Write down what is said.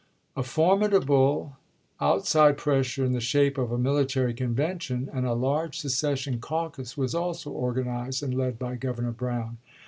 A for midable outside pressure in the shape of a military convention, and a large secession caucus was also organized and led by Governor Brown.